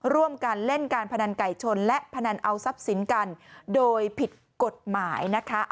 ร่วมกันเล่นการพนันไก่ชนและพนันเอาทรัพย์สินกันโดยผิดกฎหมายนะคะ